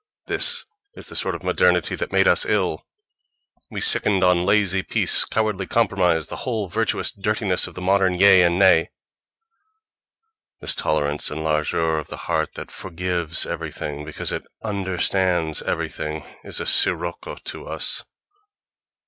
This is the sort of modernity that made us ill,—we sickened on lazy peace, cowardly compro mise, the whole virtuous dirtiness of the modern Yea and Nay. This tolerance and largeur of the heart that "forgives" everything because it "understands" everything is a sirocco to us.